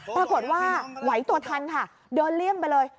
ปรากฏว่าไหวตัวทันค่ะเดินเลี่ยงไปเลย